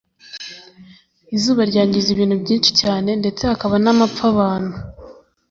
izuba ryangiza ibintu byinshi cyane ndetse hakaba n amapfa abantu